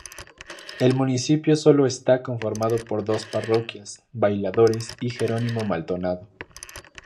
El municipio solo está conformado por dos parroquias, Bailadores y Gerónimo Maldonado.